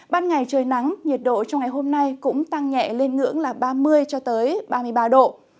ban ngày trời nắng nhiệt độ trong ngày hôm nay cũng tăng nhẹ lên ngưỡng ba mươi ba mươi ba độ